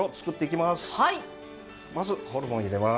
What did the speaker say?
まず、ホルモンを入れます。